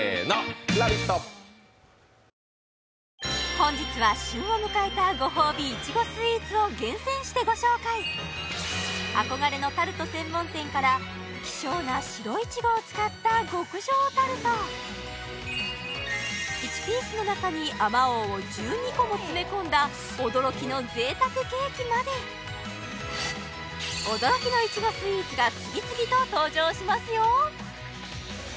本日は旬を迎えたご褒美いちごスイーツを厳選してご紹介憧れのタルト専門店から希少な白いちごを使った極上タルト１ピースの中にあまおうを１２個も詰め込んだ驚きの贅沢ケーキまで驚きのいちごスイーツが次々と登場しますよ